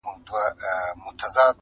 سپور د پلي په حال څه خبر دئ.